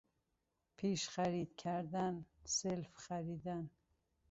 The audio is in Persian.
پیش خرید کردن، سلف خریدن